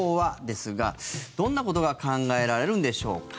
ですがどんなことが考えられるんでしょうか。